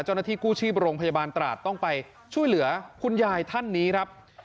เจ้าหน้าที่กู้ชีพโรงพยาบาลตราดต้องไปช่วยเหลือคุณยายท่านนี้ครับ